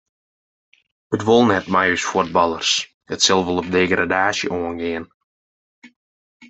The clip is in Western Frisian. It wol net mei ús fuotballers, it sil wol op degradaasje oangean.